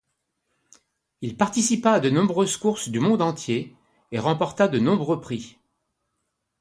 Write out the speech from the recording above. Il participa à de nombreuses courses du monde entier et remporta de nombreux prix.